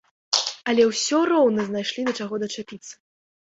Але ўсё роўна знайшлі да чаго дачапіцца.